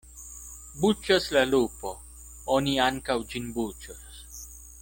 Buĉas la lupo, oni ankaŭ ĝin buĉos.